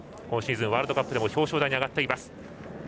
今シーズン、ワールドカップでも表彰台に上がっています。